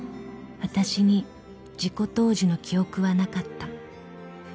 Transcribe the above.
［わたしに事故当時の記憶はなかった］